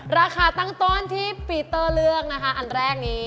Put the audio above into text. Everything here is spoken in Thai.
ราคาตั้งต้นที่ปีเตอร์เลือกนะคะอันแรกนี้